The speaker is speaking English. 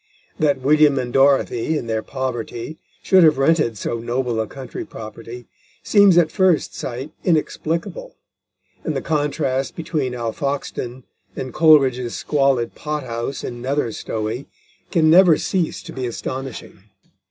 That William and Dorothy, in their poverty, should have rented so noble a country property seems at first sight inexplicable, and the contrast between Alfoxden and Coleridge's squalid pot house in Nether Stowey can never cease to be astonishing.